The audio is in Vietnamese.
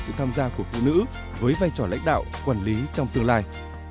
sự tham gia của phụ nữ với vai trò lãnh đạo quản lý trong tương lai